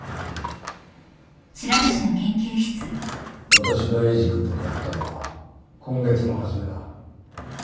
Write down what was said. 私がエイジ君と出会ったのは今月の初めだ。